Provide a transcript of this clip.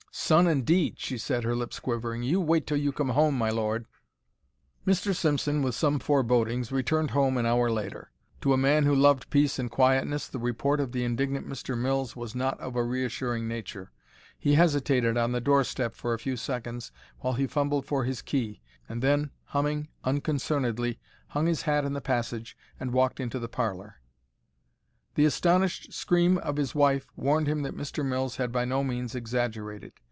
"Son, indeed!" she said, her lips quivering. "You wait till you come home, my lord!" Mr. Simpson, with some forebodings, returned home an hour later. To a man who loved peace and quietness the report of the indignant Mr. Mills was not of a reassuring nature. He hesitated on the doorstep for a few seconds while he fumbled for his key, and then, humming unconcernedly, hung his hat in the passage and walked into the parlour. The astonished scream of his wife warned him that Mr. Mills had by no means exaggerated.